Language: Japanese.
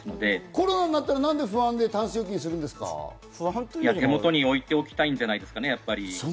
コロナになったら何で不安で手元に置いておきたいんじゃないですかね？